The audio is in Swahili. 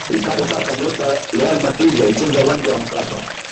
ricardo kaka nyota wa real madrid alicheza uwanja wa mkapa